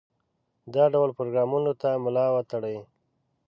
دا ډول پروګرامونو ته ملا وتړي.